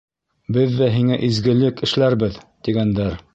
Беҙ ҙә һиңә изгелек эшләрбеҙ, — тигәндәр.